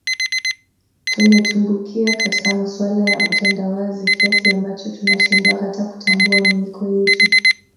Tumetumbukia katika masuala ya utandawazi kiasi ambacho tunashindwa hata kutambua miiko yetu